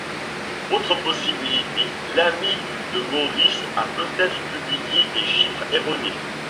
Autre possibilité, l'ami de Morriss a peut-être publié des chiffres erronés.